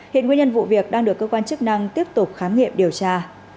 hiện nguyên nhân vụ việc đang được cơ quan chức năng tiếp tục khám nghiệm điều tra